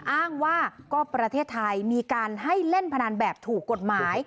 อ้างว่าก็ประเทศไทยมีการให้เล่นพนันแบบถูกกฎหมาย